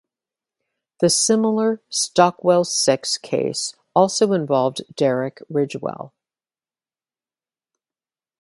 The similar "Stockwell Six" case also involved Derek Ridgewell.